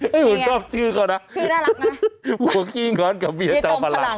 ผมชอบชื่อเขานะชื่อน่ารักนะผัวขี้งอนกับเมียจอมพลัง